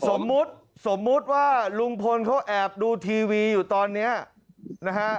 สมมุติสมมุติว่าลุงพลเขาแอบดูทีวีอยู่ตอนนี้นะฮะ